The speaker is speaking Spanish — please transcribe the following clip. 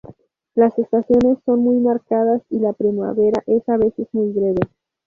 Las estaciones son muy marcadas y la primavera es a veces muy breve.